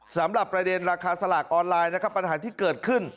สำหรับประเด็นราคาสลากออนไลน์นะครับปัญหาที่เกิดขึ้น